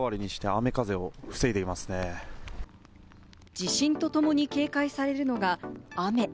地震とともに警戒されるのが雨。